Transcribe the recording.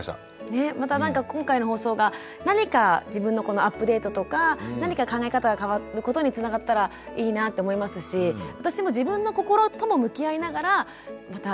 またなんか今回の放送が何か自分のこのアップデートとか何か考え方が変わることにつながったらいいなと思いますし私も自分の心とも向き合いながらまた頑張っていきたいなって思います。